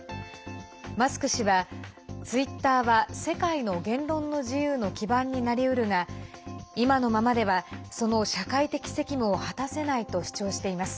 マスク氏は、ツイッターは世界の言論の自由の基盤になりうるが今のままでは、その社会的責務を果たせないと主張しています。